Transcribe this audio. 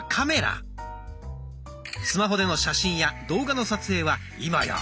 スマホでの写真や動画の撮影は今や当たり前。